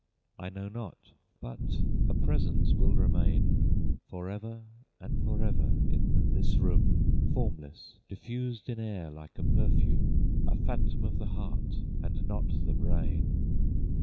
I know not; but a presence will remain Forever and forever in this room, Formless, diffused in air, like a perfume, A phantom of the heart, and not the brain.